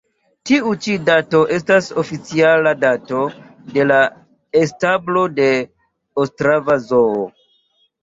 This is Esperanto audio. Tiu ĉi dato estas oficiala dato de la establo de ostrava zoo.